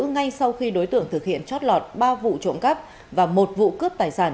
ngay sau khi đối tượng thực hiện chót lọt ba vụ trộm cắp và một vụ cướp tài sản